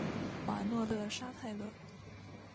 瓦诺勒沙泰勒。